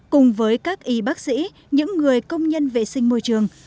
cùng với các y bác sĩ những người công nhân vệ sinh môi trường